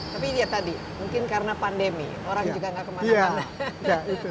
tapi ya tadi mungkin karena pandemi orang juga gak kemana mana